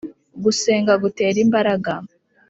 gusenga gutera imbaraga